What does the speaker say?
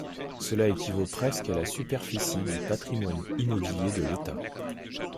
Cela équivaut presque à la superficie du patrimoine immobilier de l’État.